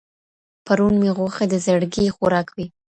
• پرون مي غوښي د زړگي خوراك وې.